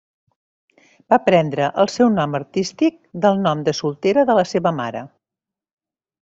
Va prendre el seu nom artístic del nom de soltera de la seva mare.